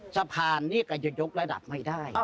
สะพานนี้ก็จะยกระดับไม่ได้